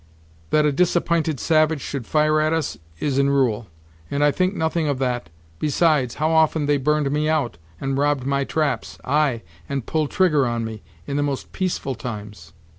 That a disapp'inted savage should fire at us, is in rule; and I think nothing of that. Besides, how often they burned me out, and robbed my traps ay, and pulled trigger on me, in the most peaceful times?"